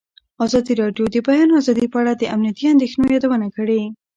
ازادي راډیو د د بیان آزادي په اړه د امنیتي اندېښنو یادونه کړې.